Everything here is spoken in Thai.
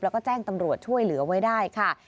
แล้วก็แจ้งตำรวจช่วยเหลือไว้ได้ค่ะ